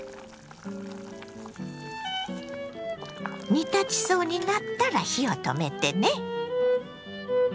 煮立ちそうになったら火を止めてね。